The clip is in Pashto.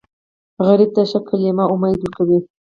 غریب ته ښه کلمه امید ورکوي